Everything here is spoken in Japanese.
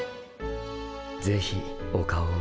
ぜひお顔を。